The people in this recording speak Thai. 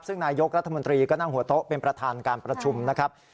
ซึ่งนายกรัฐมนตรีก็นั่งหัวโต๊ะเป็นประธานการประชุมนะครับ